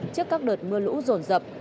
trước các đợt mưa lũ rồn rập